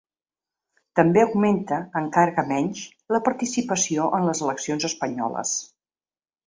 També augmenta, encara que menys, la participació en les eleccions espanyoles.